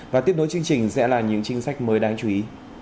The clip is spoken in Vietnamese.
và tiếp nối chương trình sẽ là những chính sách mới đáng chú ý